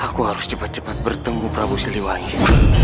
aku harus cepat cepat bertemu prabu siliwangi